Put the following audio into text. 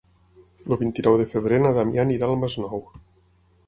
El vint-i-nou de febrer na Damià anirà al Masnou.